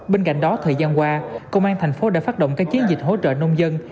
bên cạnh đó thời gian qua công an thành phố đã phát động các chiến dịch hỗ trợ nông dân